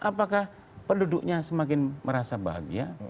apakah penduduknya semakin merasa bahagia